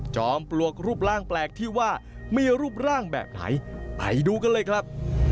ปลวกรูปร่างแปลกที่ว่ามีรูปร่างแบบไหนไปดูกันเลยครับ